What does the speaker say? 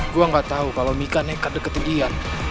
gue gak tau kalau mika nekat deketin dia